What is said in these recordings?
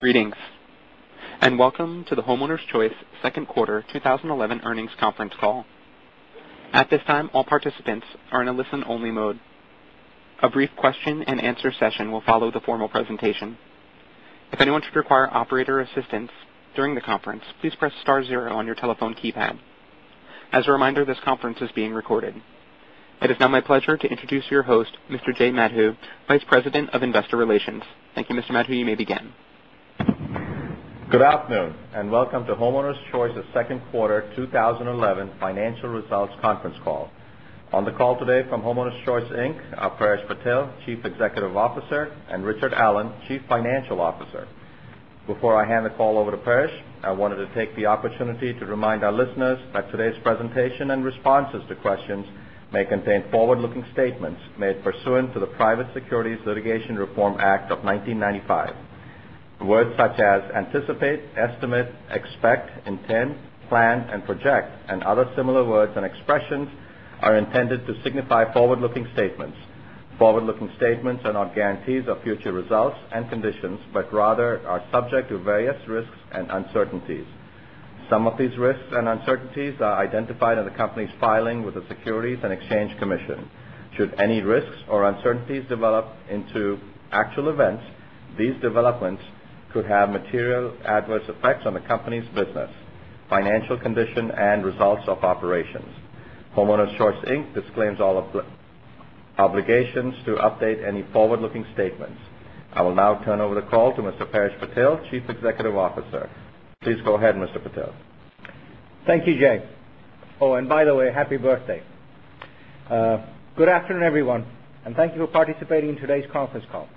Greetings, welcome to the Homeowners Choice second quarter 2011 earnings conference call. At this time, all participants are in a listen-only mode. A brief question and answer session will follow the formal presentation. If anyone should require operator assistance during the conference, please press star zero on your telephone keypad. As a reminder, this conference is being recorded. It is now my pleasure to introduce your host, Mr. Jay Madhu, Vice President of Investor Relations. Thank you, Mr. Madhu. You may begin. Good afternoon, welcome to Homeowners Choice's second quarter 2011 financial results conference call. On the call today from Homeowners Choice, Inc., are Paresh Patel, Chief Executive Officer, and Richard Allen, Chief Financial Officer. Before I hand the call over to Paresh, I wanted to take the opportunity to remind our listeners that today's presentation and responses to questions may contain forward-looking statements made pursuant to the Private Securities Litigation Reform Act of 1995. Words such as anticipate, estimate, expect, intend, plan, and project, and other similar words and expressions, are intended to signify forward-looking statements. Forward-looking statements are not guarantees of future results and conditions, but rather are subject to various risks and uncertainties. Some of these risks and uncertainties are identified in the company's filing with the Securities and Exchange Commission. Should any risks or uncertainties develop into actual events, these developments could have material adverse effects on the company's business, financial condition, and results of operations. Homeowners Choice, Inc. disclaims all obligations to update any forward-looking statements. I will now turn over the call to Mr. Paresh Patel, Chief Executive Officer. Please go ahead, Mr. Patel. Thank you, Jay. Oh, and by the way, happy birthday. Good afternoon, everyone, thank you for participating in today's conference call.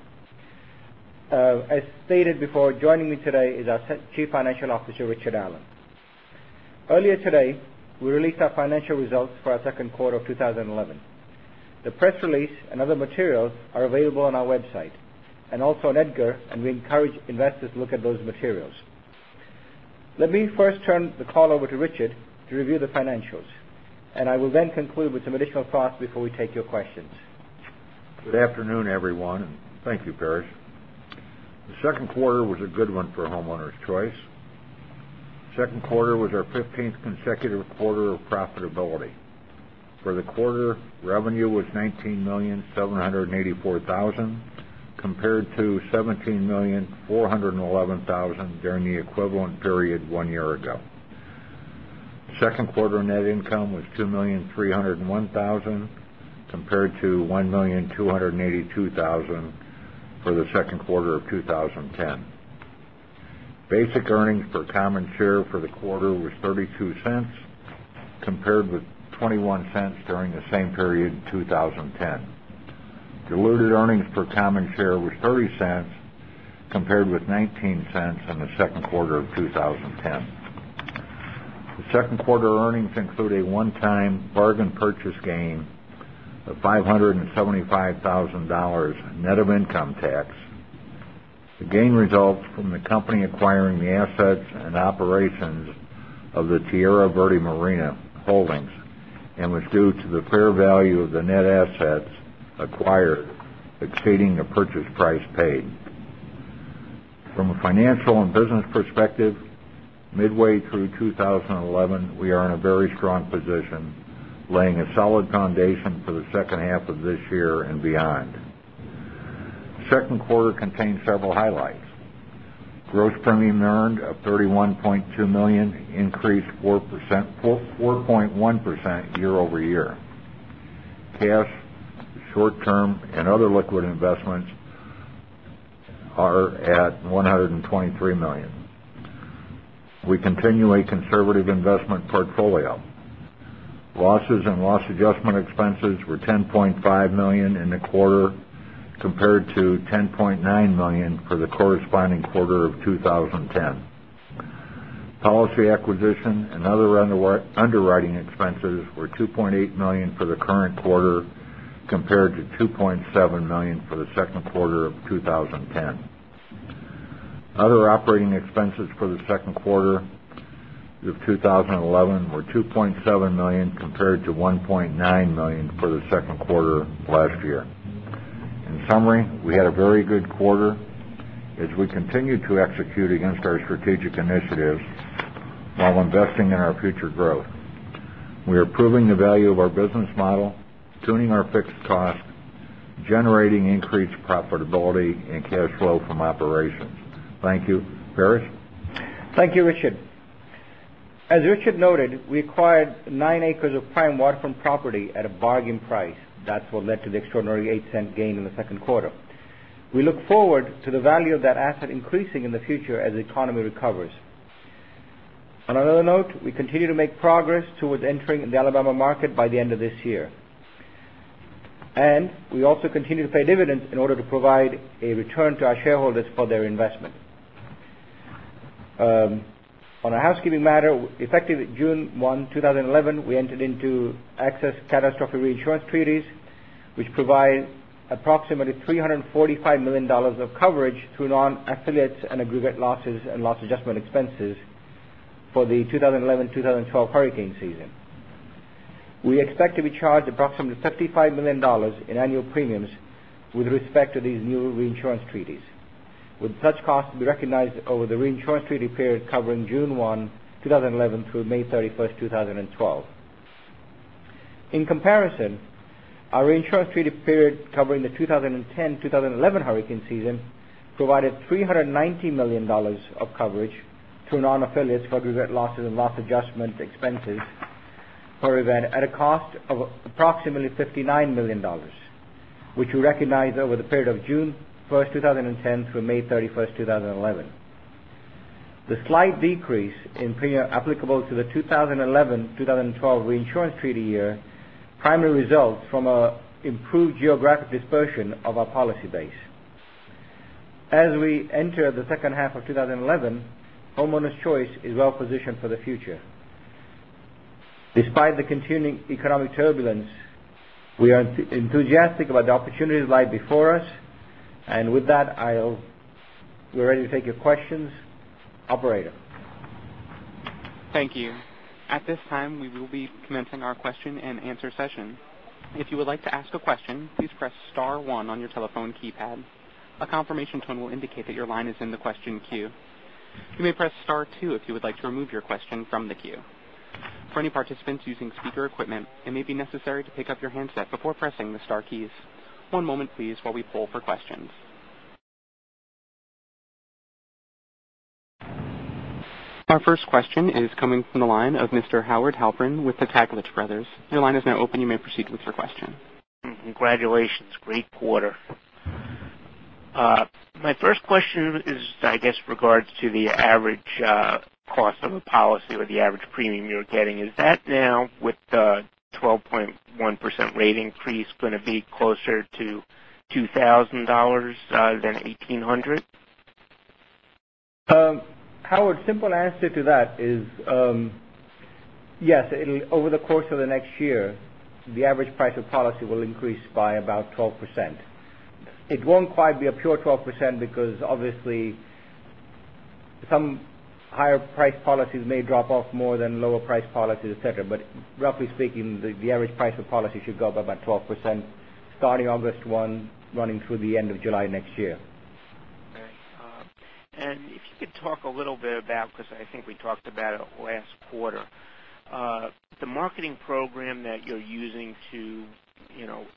As stated before, joining me today is our Chief Financial Officer, Richard Allen. Earlier today, we released our financial results for our second quarter of 2011. The press release and other materials are available on our website and also on EDGAR, we encourage investors to look at those materials. Let me first turn the call over to Richard to review the financials, I will then conclude with some additional thoughts before we take your questions. Good afternoon, everyone. Thank you, Paresh. The second quarter was a good one for Homeowners Choice. Second quarter was our 15th consecutive quarter of profitability. For the quarter, revenue was $19,784,000, compared to $17,411,000 during the equivalent period one year ago. Second quarter net income was $2,301,000, compared to $1,282,000 for the second quarter of 2010. Basic earnings per common share for the quarter was $0.32, compared with $0.21 during the same period in 2010. Diluted earnings per common share was $0.30, compared with $0.19 in the second quarter of 2010. The second quarter earnings include a one-time bargain purchase gain of $575,000 net of income tax. The gain results from the company acquiring the assets and operations of the Tierra Verde Marina holdings and was due to the fair value of the net assets acquired exceeding the purchase price paid. From a financial and business perspective, midway through 2011, we are in a very strong position, laying a solid foundation for the second half of this year and beyond. Second quarter contained several highlights. Gross premium earned of $31.2 million increased 4.1% year-over-year. Cash, short-term, and other liquid investments are at $123 million. We continue a conservative investment portfolio. Losses and loss adjustment expenses were $10.5 million in the quarter, compared to $10.9 million for the corresponding quarter of 2010. Policy acquisition and other underwriting expenses were $2.8 million for the current quarter, compared to $2.7 million for the second quarter of 2010. Other operating expenses for the second quarter of 2011 were $2.7 million, compared to $1.9 million for the second quarter of last year. In summary, we had a very good quarter as we continued to execute against our strategic initiatives while investing in our future growth. We are proving the value of our business model, tuning our fixed costs, generating increased profitability and cash flow from operations. Thank you. Paresh. Thank you, Richard. As Richard noted, we acquired nine acres of prime waterfront property at a bargain price. That's what led to the extraordinary $0.08 gain in the second quarter. We look forward to the value of that asset increasing in the future as the economy recovers. On another note, we continue to make progress towards entering the Alabama market by the end of this year. We also continue to pay dividends in order to provide a return to our shareholders for their investment. On a housekeeping matter, effective June 1, 2011, we entered into excess catastrophe reinsurance treaties, which provide approximately $345 million of coverage through non-affiliates and aggregate losses and loss adjustment expenses for the 2011-2012 hurricane season. We expect to be charged approximately $35 million in annual premiums with respect to these new reinsurance treaties, with such costs to be recognized over the reinsurance treaty period covering June 1, 2011, through May 31, 2012. In comparison, our reinsurance treaty period covering the 2010-2011 hurricane season provided $390 million of coverage through non-affiliates for event losses and loss adjustment expenses for event at a cost of approximately $59 million, which we recognized over the period of June 1, 2010, through May 31, 2011. The slight decrease in premium applicable to the 2011-2012 reinsurance treaty year primarily results from our improved geographic dispersion of our policy base. As we enter the second half of 2011, Homeowners Choice is well-positioned for the future. Despite the continuing economic turbulence, we are enthusiastic about the opportunities that lie before us. With that, we are ready to take your questions. Operator? Thank you. At this time, we will be commencing our question and answer session. If you would like to ask a question, please press star 1 on your telephone keypad. A confirmation tone will indicate that your line is in the question queue. You may press star 2 if you would like to remove your question from the queue. For any participants using speaker equipment, it may be necessary to pick up your handset before pressing the star keys. One moment, please, while we poll for questions. Our first question is coming from the line of Mr. Howard Halpern with the Taglich Brothers. Your line is now open. You may proceed with your question. Congratulations. Great quarter. My first question is, I guess, regards to the average cost of a policy or the average premium you're getting. Is that now with the 12.1% rate increase going to be closer to $2,000 than $1,800? Howard, simple answer to that is, yes. Over the course of the next year, the average price of policy will increase by about 12%. It won't quite be a pure 12% because obviously some higher price policies may drop off more than lower price policies, et cetera. Roughly speaking, the average price of policy should go up by 12% starting August 1, running through the end of July next year. Okay. If you could talk a little bit about, because I think we talked about it last quarter, the marketing program that you're using to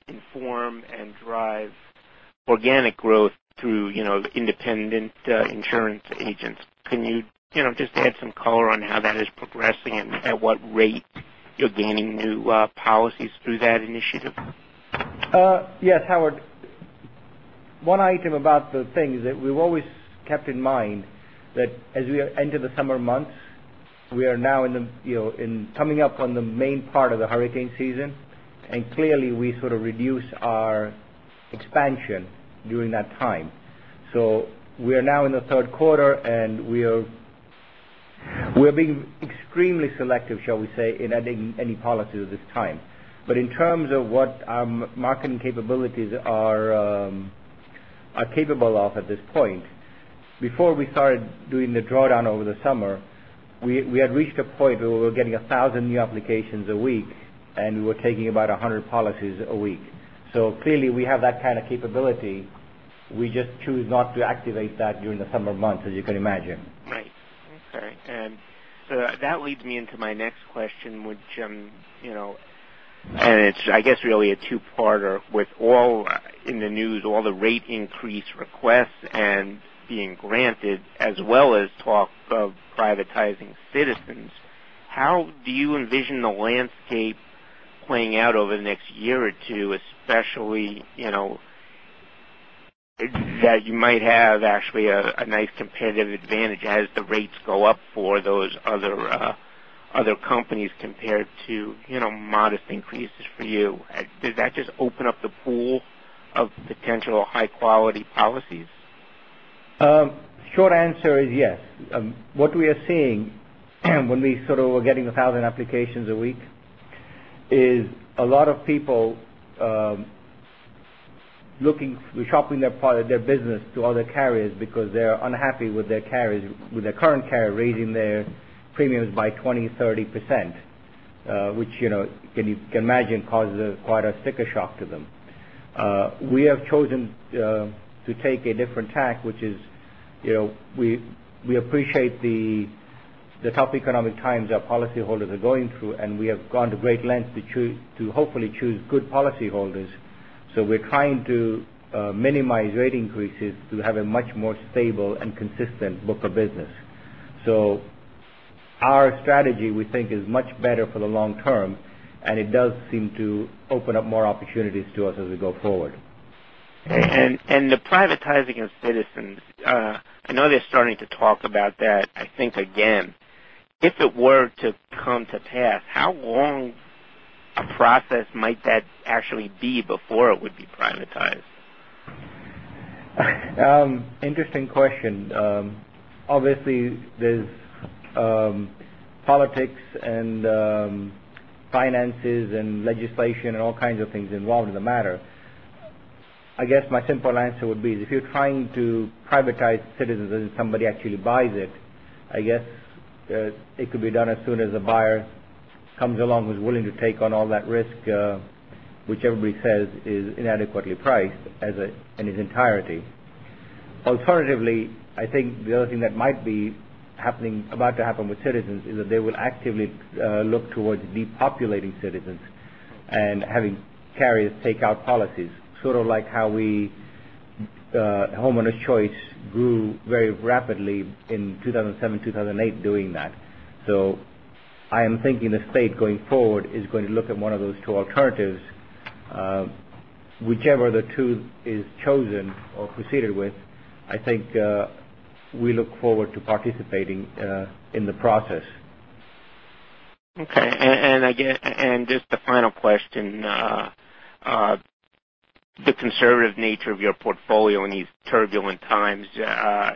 inform and drive organic growth through independent insurance agents. Can you just add some color on how that is progressing and at what rate you're gaining new policies through that initiative? Yes, Howard. One item about the thing is that we've always kept in mind that as we enter the summer months, we are now coming up on the main part of the hurricane season, we sort of reduce our expansion during that time. We are now in the third quarter, we are being extremely selective, shall we say, in adding any policies at this time. In terms of what our marketing capabilities are capable of at this point, before we started doing the drawdown over the summer, we had reached a point where we were getting 1,000 new applications a week, and we were taking about 100 policies a week. Clearly we have that kind of capability. We just choose not to activate that during the summer months, as you can imagine. Right. Okay. That leads me into my next question, which, and it's, I guess, really a two-parter. With all in the news, all the rate increase requests and being granted, as well as talk of privatizing Citizens, how do you envision the landscape playing out over the next year or two, especially, that you might have actually a nice competitive advantage as the rates go up for those other companies compared to modest increases for you? Does that just open up the pool of potential high-quality policies? Short answer is yes. What we are seeing when we sort of were getting 1,000 applications a week is a lot of people looking, shopping their business to other carriers because they're unhappy with their current carrier raising their premiums by 20%, 30%, which you can imagine causes quite a sticker shock to them. We have chosen to take a different tack, which is we appreciate the tough economic times our policyholders are going through, we have gone to great lengths to hopefully choose good policyholders. We're trying to minimize rate increases to have a much more stable and consistent book of business. Our strategy, we think, is much better for the long term, it does seem to open up more opportunities to us as we go forward. The privatizing of Citizens, I know they're starting to talk about that, I think, again. If it were to come to pass, how long a process might that actually be before it would be privatized? Interesting question. Obviously, there's politics and finances and legislation and all kinds of things involved in the matter. I guess my simple answer would be, if you're trying to privatize Citizens and somebody actually buys it, I guess it could be done as soon as a buyer comes along who's willing to take on all that risk, which everybody says is inadequately priced, in its entirety. Alternatively, I think the other thing that might be about to happen with Citizens is that they will actively look towards depopulating Citizens and having carriers take out policies. Sort of like how Homeowners Choice grew very rapidly in 2007, 2008, doing that. I am thinking the state, going forward, is going to look at one of those two alternatives. Whichever of the two is chosen or proceeded with, I think we look forward to participating in the process. Okay. Just the final question. The conservative nature of your portfolio in these turbulent times. I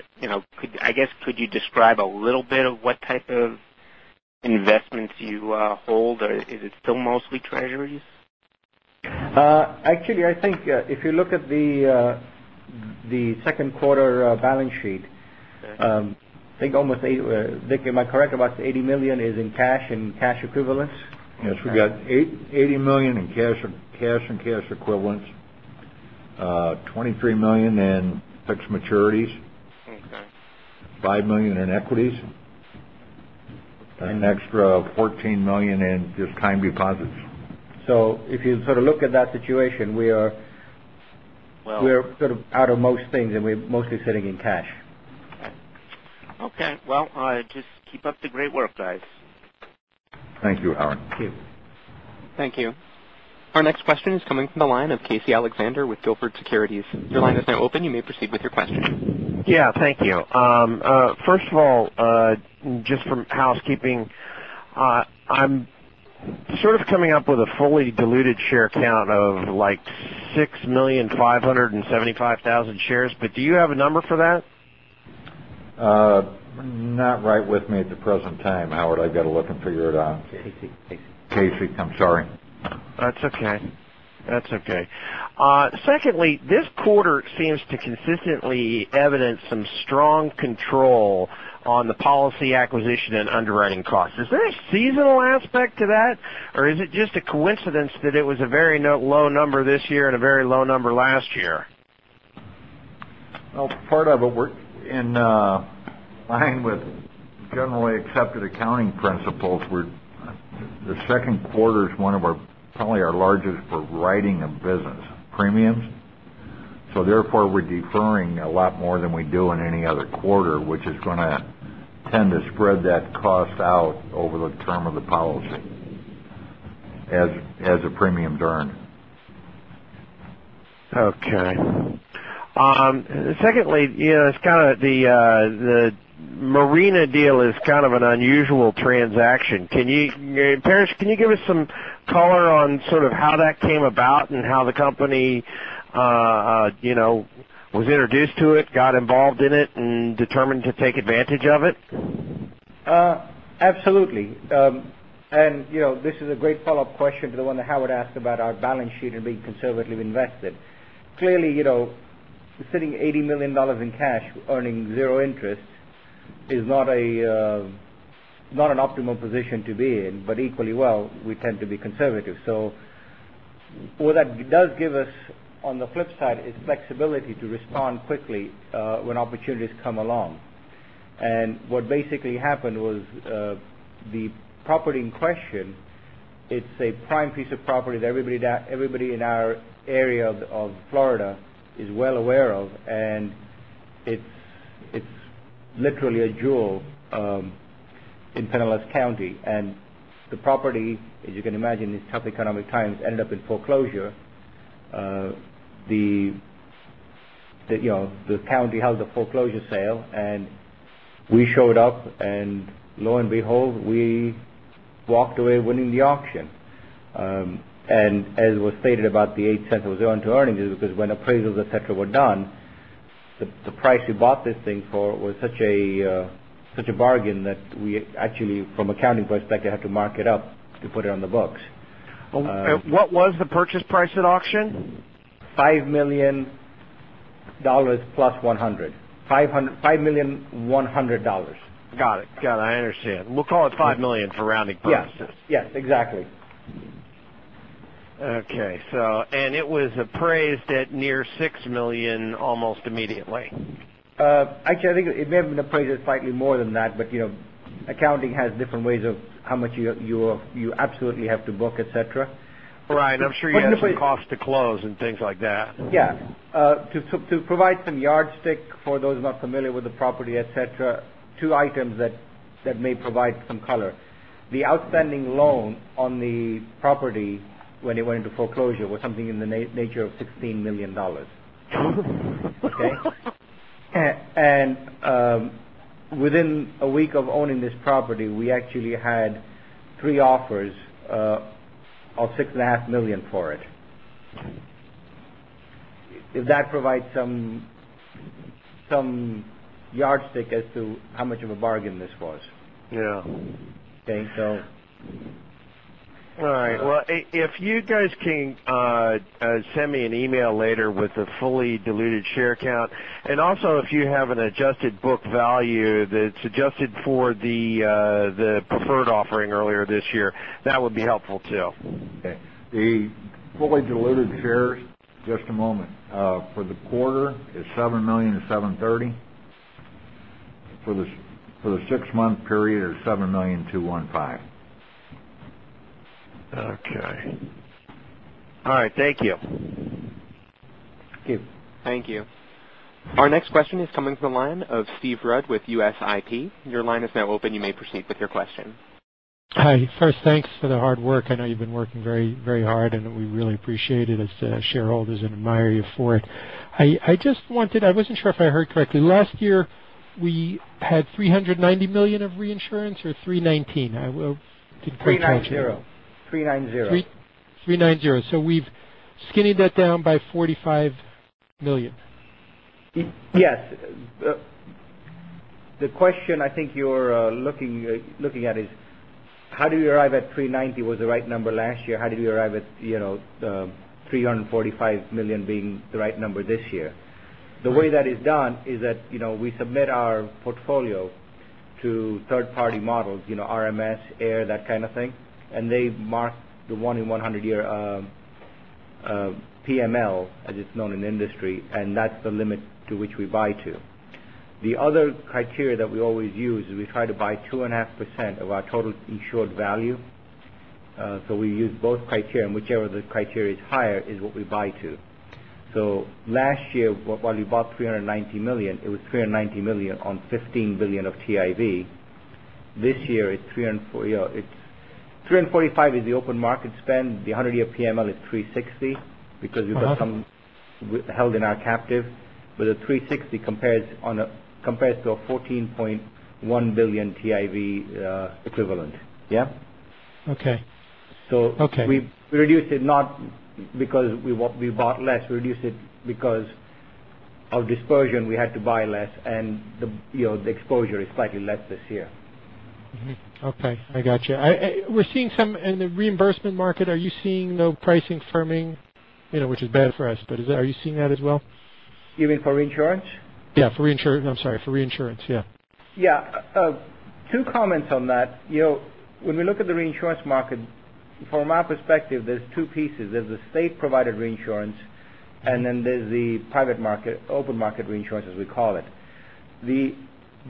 guess, could you describe a little bit of what type of investments you hold? Is it still mostly treasuries? Actually, I think if you look at the second quarter balance sheet. Dick, am I correct, about $80 million is in cash and cash equivalents? Yes. We got $80 million in cash and cash equivalents, $23 million in fixed maturities. Okay. $5 million in equities. An extra $14 million in just time deposits. If you sort of look at that situation. Well We're sort of out of most things, and we're mostly sitting in cash. Okay. Well, just keep up the great work, guys. Thank you, Howard. Thank you. Thank you. Our next question is coming from the line of Casey Alexander with Gilford Securities. Your line is now open. You may proceed with your question. Yeah, thank you. First of all, just from housekeeping, I'm sort of coming up with a fully diluted share count of 6,575,000 shares, but do you have a number for that? Not right with me at the present time, Howard. I've got to look and figure it out. Casey. Casey, I'm sorry. That's okay. Secondly, this quarter seems to consistently evidence some strong control on the policy acquisition and underwriting costs. Is there a seasonal aspect to that, or is it just a coincidence that it was a very low number this year and a very low number last year? Well, part of it, we're in line with generally accepted accounting principles, where the second quarter is one of our, probably our largest for writing of business premiums. Therefore, we're deferring a lot more than we do in any other quarter, which is going to tend to spread that cost out over the term of the policy as the premiums earn. Okay. Secondly, the Marina deal is kind of an unusual transaction. Paresh, can you give us some color on how that came about and how the company was introduced to it, got involved in it, and determined to take advantage of it? Absolutely. This is a great follow-up question to the one that Howard asked about our balance sheet and being conservatively invested. Clearly, sitting $80 million in cash, earning zero interest is not an optimal position to be in, equally well, we tend to be conservative. What that does give us on the flip side is flexibility to respond quickly when opportunities come along. What basically happened was, the property in question, it's a prime piece of property that everybody in our area of Florida is well aware of, and it's literally a jewel in Pinellas County. The property, as you can imagine, in tough economic times, ended up in foreclosure. The county held a foreclosure sale, we showed up, and lo and behold, we walked away winning the auction. As was stated about the $0.08 was owing to earnings, it was because when appraisals, et cetera, were done, the price we bought this thing for was such a bargain that we actually, from an accounting perspective, had to mark it up to put it on the books. What was the purchase price at auction? $5 million plus $100. $5,000,100. Got it. I understand. We'll call it $5 million for rounding purposes. Yes, exactly. Okay. It was appraised at near $6 million almost immediately. Actually, I think it may have been appraised at slightly more than that, accounting has different ways of how much you absolutely have to book, et cetera. Right. I'm sure you had some costs to close and things like that. Yeah. To provide some yardstick for those not familiar with the property, et cetera, two items that may provide some color. The outstanding loan on the property when it went into foreclosure was something in the nature of $16 million. Okay. Within a week of owning this property, we actually had three offers of six and a half million for it. If that provides some yardstick as to how much of a bargain this was. Yeah. Okay. All right. Well, if you guys can send me an email later with the fully diluted share count, and also if you have an adjusted book value that's adjusted for the preferred offering earlier this year, that would be helpful too. Okay. The fully diluted shares, just a moment. For the quarter, it's 7,730,000. For the six-month period, it's 7,000,215. Okay. All right. Thank you. Thank you. Thank you. Our next question is coming from the line of Steve Rudd with USIP. Your line is now open. You may proceed with your question. Hi. First, thanks for the hard work. I know you've been working very hard, and we really appreciate it as shareholders and admire you for it. I wasn't sure if I heard correctly. Last year, we had $390 million of reinsurance or 319? 390. $390. We've skinnied that down by $45 million. Yes. The question I think you're looking at is how do you arrive at $390 was the right number last year. How did you arrive at $345 million being the right number this year? The way that is done is that we submit our portfolio to third-party models, RMS, AIR, that kind of thing, and they mark the 1-in-100 year PML, as it's known in the industry, and that's the limit to which we buy to. The other criteria that we always use is we try to buy 2.5% of our total insured value. We use both criteria, and whichever the criteria is higher is what we buy to. Last year, while we bought $390 million, it was $390 million on $15 billion of TIV. This year, it's $345 is the open market spend. The 100-year PML is $360 because we put some held in our captive, but the $360 compares to a $14.1 billion TIV equivalent. Okay. We reduced it not because we bought less, we reduced it because of dispersion, we had to buy less, and the exposure is slightly less this year. Okay, I got you. We're seeing some in the reinsurance market. Are you seeing no pricing firming? Which is bad for us, but are you seeing that as well? You mean for reinsurance? Yeah, for reinsurance. I'm sorry, for reinsurance. Yeah. Yeah. Two comments on that. When we look at the reinsurance market, from our perspective, there's two pieces. There's the state-provided reinsurance, and then there's the private market, open market reinsurance, as we call it.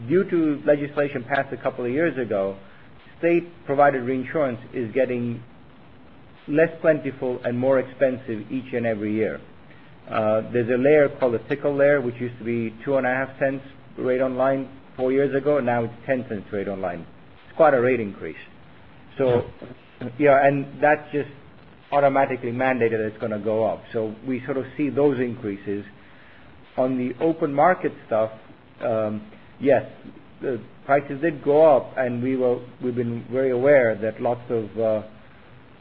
Due to legislation passed a couple of years ago, state-provided reinsurance is getting less plentiful and more expensive each and every year. There's a layer called a TICL layer, which used to be $0.025 rate-on-line four years ago. Now it's $0.10 rate-on-line. It's quite a rate increase. Yeah. That's just automatically mandated that it's going to go up. We sort of see those increases. On the open market stuff, yes, the prices did go up, and we've been very aware that lots of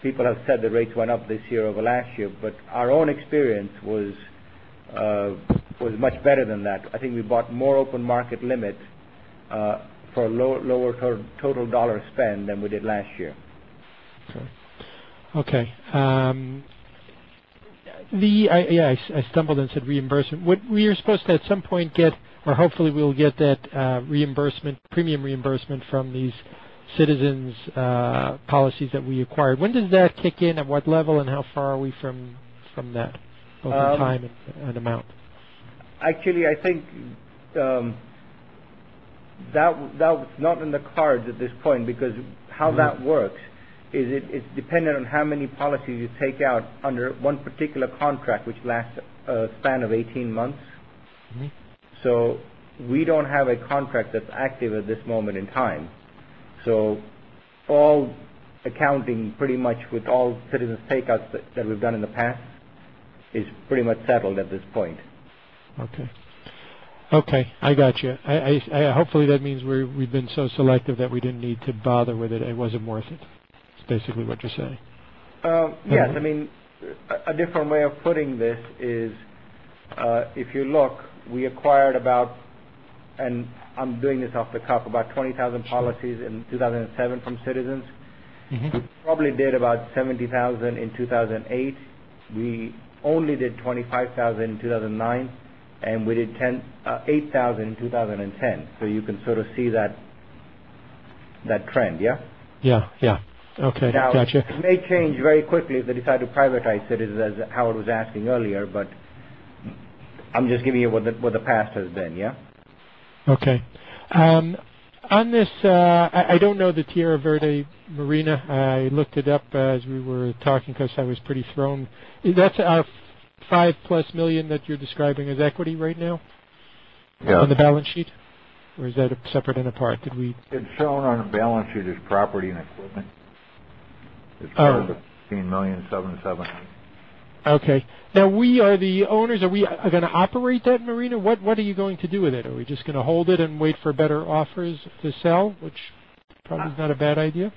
people have said the rates went up this year over last year, but our own experience was much better than that. I think we bought more open market limits for lower total $ spend than we did last year. Okay. I stumbled and said reimbursement. We are supposed to at some point get or hopefully we'll get that premium reimbursement from these Citizens' policies that we acquired. When does that kick in, at what level, and how far are we from that, both in time and amount? Actually, I think that was not in the cards at this point because how that works is it's dependent on how many policies you take out under one particular contract, which lasts a span of 18 months. We don't have a contract that's active at this moment in time. All accounting pretty much with all Citizens takeouts that we've done in the past is pretty much settled at this point. Okay. I got you. Hopefully, that means we've been so selective that we didn't need to bother with it. It wasn't worth it, is basically what you're saying. Yes. I mean, a different way of putting this is, if you look, we acquired about, and I'm doing this off the cuff, about 20,000 policies in 2007 from Citizens. We probably did about 70,000 in 2008. We only did 25,000 in 2009, and we did 8,000 in 2010. You can sort of see that trend, yeah? Yeah. Okay. Got you. It may change very quickly if they decide to privatize Citizens as Howard was asking earlier, but I'm just giving you what the past has been, yeah. On this, I don't know the Tierra Verde Marina. I looked it up as we were talking because I was pretty thrown. That's a $5-plus million that you're describing as equity right now? Yeah. On the balance sheet, or is that separate and apart? It's shown on the balance sheet as property and equipment. Oh. It's part of the $15,770,000. Okay. Now we are the owners. Are we going to operate that marina? What are you going to do with it? Are we just going to hold it and wait for better offers to sell, which probably is not a bad idea?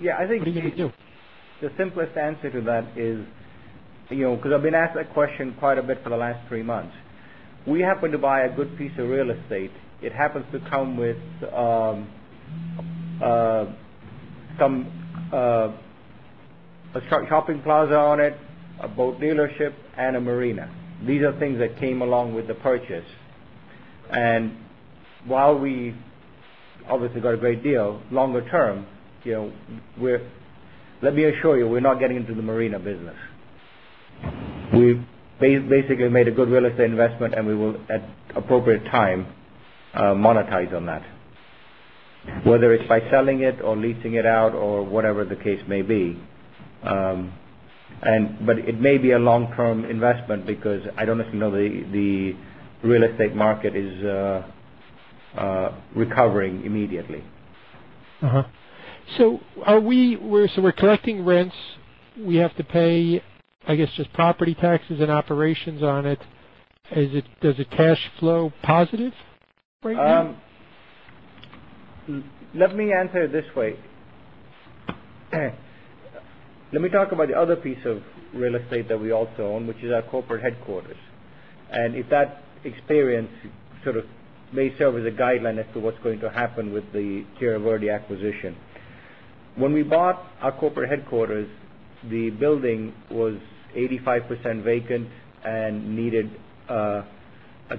Yeah. What are you going to do? The simplest answer to that is Because I've been asked that question quite a bit for the last three months. We happened to buy a good piece of real estate. It happens to come with a shopping plaza on it, a boat dealership, and a marina. These are things that came along with the purchase. While we obviously got a great deal longer term, let me assure you, we're not getting into the marina business. We've basically made a good real estate investment, and we will, at appropriate time, monetize on that, whether it's by selling it or leasing it out or whatever the case may be. It may be a long-term investment because I don't necessarily know the real estate market is recovering immediately. We're collecting rents. We have to pay, I guess, just property taxes and operations on it. Is it cash flow positive right now? Let me answer it this way. Let me talk about the other piece of real estate that we also own, which is our corporate headquarters. If that experience sort of may serve as a guideline as to what's going to happen with the Tierra Verde acquisition. When we bought our corporate headquarters, the building was 85% vacant and needed a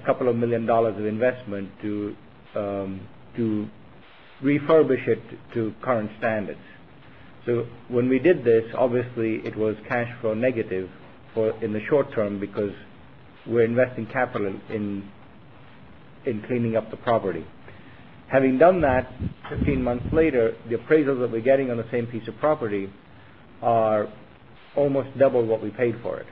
couple of million dollars of investment to refurbish it to current standards. When we did this, obviously, it was cash flow negative in the short term because we're investing capital in cleaning up the property. Having done that, 15 months later, the appraisals that we're getting on the same piece of property are almost double what we paid for it.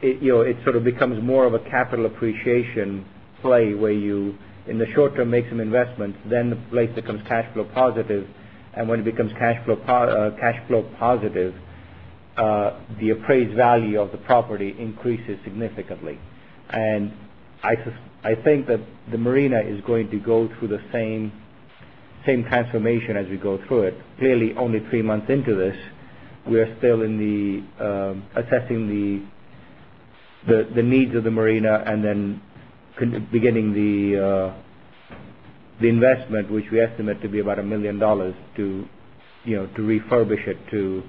It sort of becomes more of a capital appreciation play where you, in the short term, make some investments, then the place becomes cash flow positive, and when it becomes cash flow positive, the appraised value of the property increases significantly. I think that the marina is going to go through the same transformation as we go through it. Clearly, only three months into this, we are still assessing the needs of the marina and then beginning the investment, which we estimate to be about $1 million to refurbish it to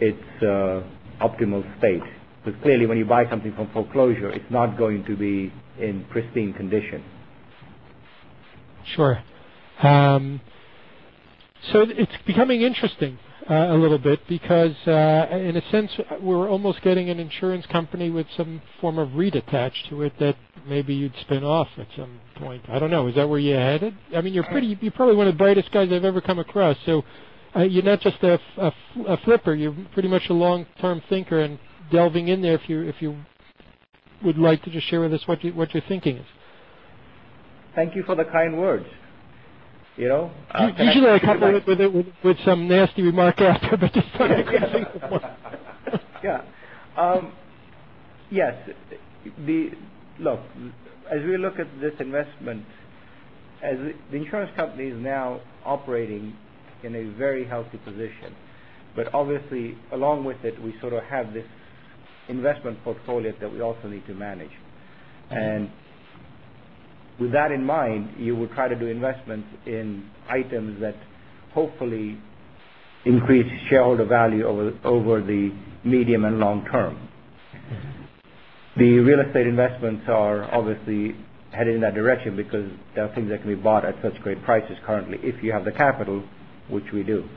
its optimal state. Because clearly, when you buy something from foreclosure, it's not going to be in pristine condition. Sure. It's becoming interesting a little bit because, in a sense, we're almost getting an insurance company with some form of REIT attached to it that maybe you'd spin off at some point. I don't know. Is that where you're headed? You're probably one of the brightest guys I've ever come across, so you're not just a flipper. You're pretty much a long-term thinker and delving in there if you would like to just share with us what your thinking is. Thank you for the kind words. Usually, I cut with some nasty remark after. Yeah. Yes. Look, as we look at this investment, as the insurance company is now operating in a very healthy position, but obviously, along with it, we sort of have this investment portfolio that we also need to manage. With that in mind, you would try to do investments in items that hopefully increase shareholder value over the medium and long term. The real estate investments are obviously headed in that direction because there are things that can be bought at such great prices currently, if you have the capital, which we do.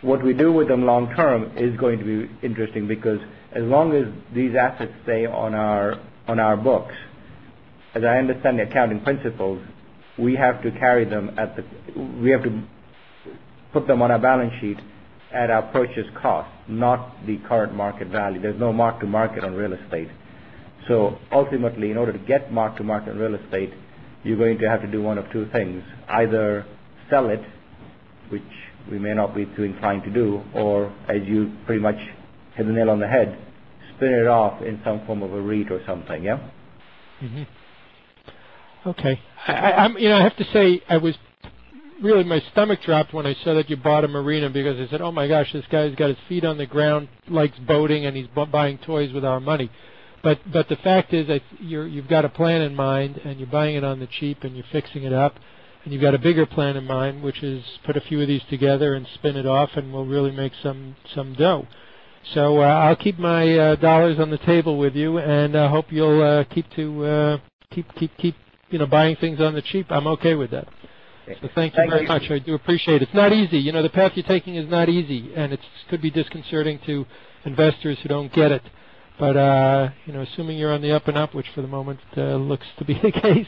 What we do with them long term is going to be interesting because as long as these assets stay on our books, as I understand the accounting principles, we have to put them on our balance sheet at our purchase cost, not the current market value. There's no mark to market on real estate. Ultimately, in order to get mark to market on real estate, you're going to have to do one of two things, either sell it, which we may not be too inclined to do, or as you pretty much hit the nail on the head, spin it off in some form of a REIT or something. Yeah. Mm-hmm. Okay. I have to say, really my stomach dropped when I saw that you bought a marina because I said, "Oh, my gosh, this guy's got his feet on the ground, likes boating, and he's buying toys with our money." The fact is that you've got a plan in mind, and you're buying it on the cheap, and you're fixing it up, and you've got a bigger plan in mind, which is put a few of these together and spin it off, and we'll really make some dough. I'll keep my dollars on the table with you, and I hope you'll keep buying things on the cheap. I'm okay with that. Thank you. Thank you very much. I do appreciate it. It's not easy. The path you're taking is not easy, and it could be disconcerting to investors who don't get it. Assuming you're on the up-and-up, which for the moment looks to be the case,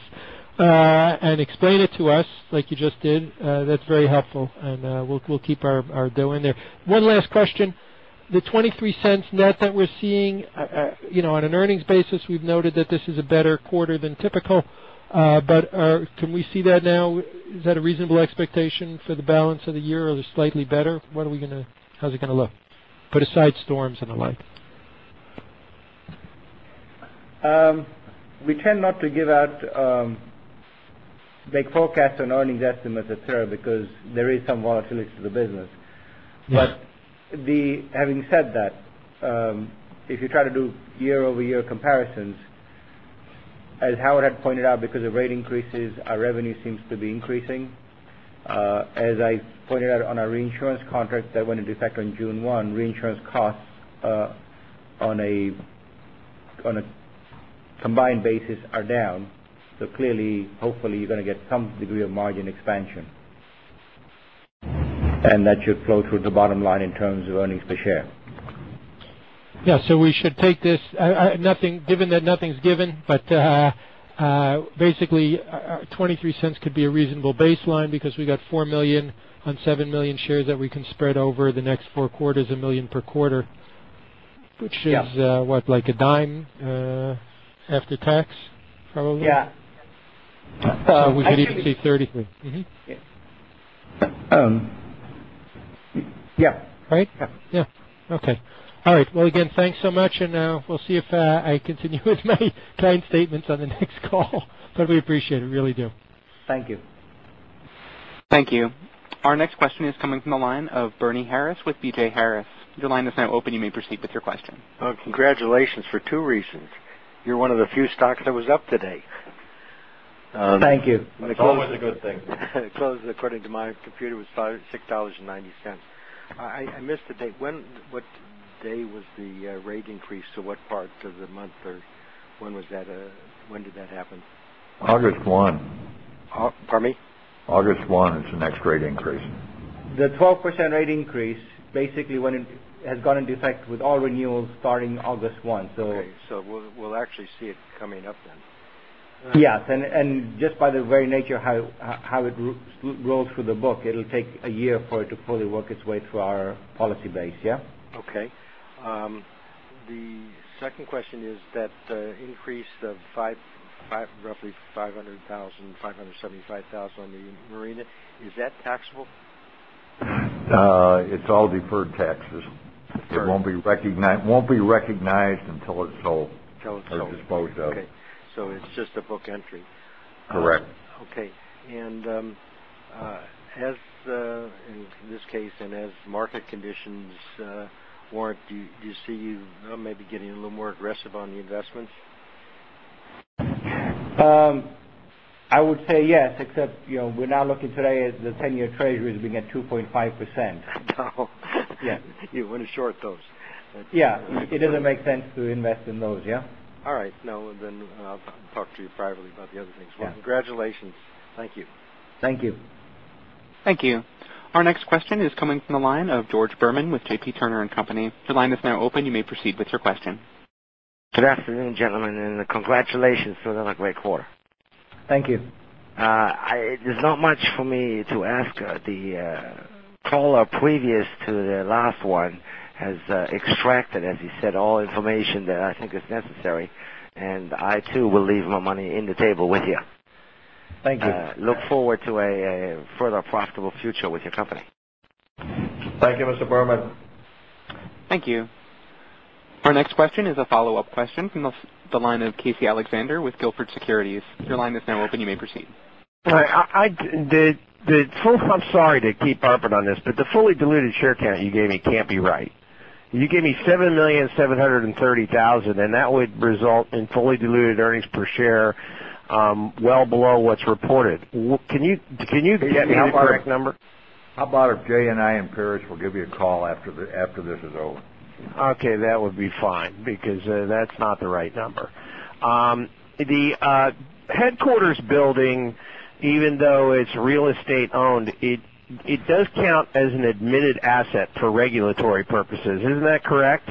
and explain it to us like you just did, that's very helpful, and we'll keep our dough in there. One last question. The $0.23 net that we're seeing, on an earnings basis, we've noted that this is a better quarter than typical, can we see that now? Is that a reasonable expectation for the balance of the year or slightly better? How's it going to look? Put aside storms and the like. We tend not to give out big forecasts on earnings estimates et cetera, because there is some volatility to the business. Yes. Having said that, if you try to do year-over-year comparisons, as Howard had pointed out, because of rate increases, our revenue seems to be increasing. As I pointed out on our reinsurance contract that went into effect on June 1, reinsurance costs on a combined basis are down. Clearly, hopefully, you're going to get some degree of margin expansion. That should flow through the bottom line in terms of earnings per share. Yeah. We should take this, given that nothing's given, but basically, $0.23 could be a reasonable baseline because we got $4 million on 7 million shares that we can spread over the next four quarters, $1 million per quarter. Yeah. Which is what? Like $0.10 after tax, probably? Yeah. We could even say 33. Mm-hmm. Yeah. Right? Yeah. Yeah. Okay. All right. Again, thanks so much, and we'll see if I continue with my kind statements on the next call. We appreciate it, really do. Thank you. Thank you. Our next question is coming from the line of Bernie Harris with BJ Harris. Your line is now open. You may proceed with your question. Oh, congratulations for two reasons. You're one of the few stocks that was up today. Thank you. That's always a good thing. It closed, according to my computer, was $6.90. I missed the date. What day was the rate increase, to what part of the month, or when did that happen? August one. Pardon me? August one is the next rate increase. The 12% rate increase basically has gone into effect with all renewals starting August one. Okay. We'll actually see it coming up then. Yes. Just by the very nature of how it rolls through the book, it'll take a year for it to fully work its way through our policy base. Yeah. Okay. The second question is that the increase of roughly $500,000, $575,000 on the marina, is that taxable? It's all deferred taxes. Sure. It won't be recognized until it's sold. Till it's sold. Disposed of. Okay. It's just a book entry. Correct. Okay. In this case, and as market conditions warrant, do you see you maybe getting a little more aggressive on the investments? I would say yes, except we're now looking today at the 10-year Treasury as being at 2.5%. Oh. Yeah. You want to short those. Yeah. It doesn't make sense to invest in those, yeah? All right. No, I'll talk to you privately about the other things. Yeah. Well, congratulations. Thank you. Thank you. Thank you. Our next question is coming from the line of George Berman with J.P. Turner & Company. Your line is now open. You may proceed with your question. Good afternoon, gentlemen, and congratulations for another great quarter. Thank you. There's not much for me to ask. The caller previous to the last one has extracted, as he said, all information that I think is necessary. I, too, will leave my money on the table with you. Thank you. Look forward to a further profitable future with your company. Thank you, Mr. Berman. Thank you. Our next question is a follow-up question from the line of Casey Alexander with Gilford Securities. Your line is now open. You may proceed. I'm sorry to keep harping on this, the fully diluted share count you gave me can't be right. You gave me 7,730,000, and that would result in fully diluted earnings per share well below what's reported. Can you give me the correct number? How about if Jay and I and Paresh will give you a call after this is over? Okay. That would be fine, because that's not the right number. The headquarters building, even though it's real estate owned, it does count as an admitted asset for regulatory purposes. Isn't that correct?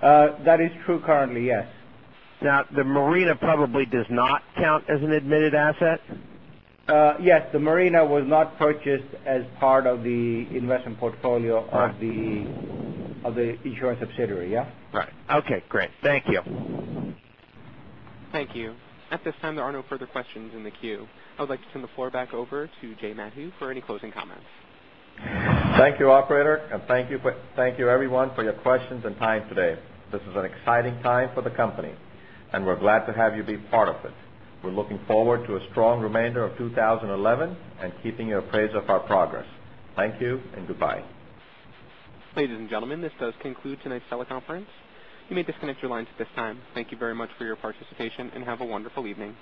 That is true currently, yes. The marina probably does not count as an admitted asset? Yes. The marina was not purchased as part of the investment portfolio. Right of the insurance subsidiary, yeah? Right. Okay, great. Thank you. Thank you. At this time, there are no further questions in the queue. I would like to turn the floor back over to Jay Madhu for any closing comments. Thank you, operator, and thank you, everyone, for your questions and time today. This is an exciting time for the company, and we're glad to have you be part of it. We're looking forward to a strong remainder of 2011 and keeping you appraised of our progress. Thank you and goodbye. Ladies and gentlemen, this does conclude tonight's teleconference. You may disconnect your lines at this time. Thank you very much for your participation, and have a wonderful evening.